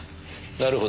なるほど。